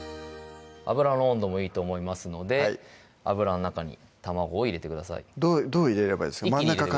油の温度もいいと思いますので油の中に卵を入れてくださいどう入れればいいですか？